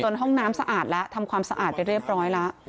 ห้องน้ำสะอาดแล้วทำความสะอาดไปเรียบร้อยแล้ว